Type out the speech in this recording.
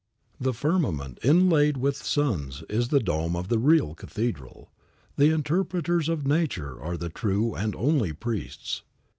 The firmament inlaid with suns is the dome of the real cathedral. The interpreters of nature are the true and only priests.